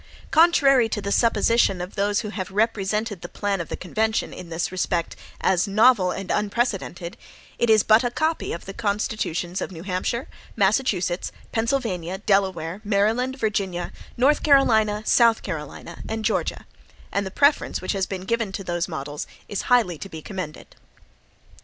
Contrary to the supposition of those who have represented the plan of the convention, in this respect, as novel and unprecedented, it is but a copy of the constitutions of New Hampshire, Massachusetts, Pennsylvania, Delaware, Maryland, Virginia, North Carolina, South Carolina, and Georgia; and the preference which has been given to those models is highly to be commended.